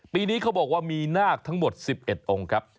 ปีนี้เขาบอกว่ามีนาคทั้งหมด๑๑องค์ครับ